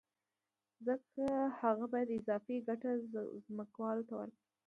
ځکه هغه باید اضافي ګټه ځمکوال ته ورکړي